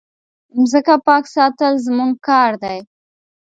مځکه پاک ساتل زموږ کار دی.